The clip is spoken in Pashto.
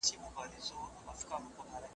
که منطقي تسلسل نه وي لیکوال نه بریالی کېږي.